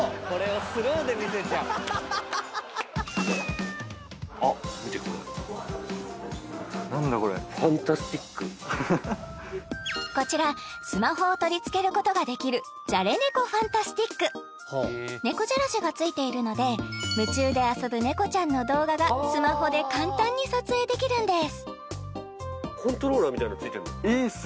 これこちらスマホを取り付けることができるじゃれ猫ファンタスティックねこじゃらしがついているので夢中で遊ぶ猫ちゃんの動画がスマホで簡単に撮影できるんですえ